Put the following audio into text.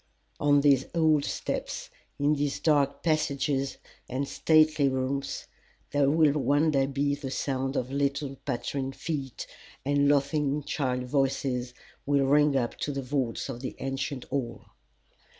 On these old steps, in these dark passages and stately rooms, there will one day be the sound of little pattering feet, and laughing child voices will ring up to the vaults of the ancient hall.